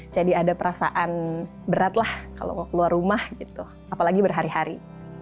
jadi ada perasaan berat kalau keluar rumah apalagi berhari hari